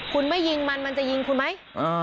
คุณไม่ยิงมันมันจะยิงคุณไหม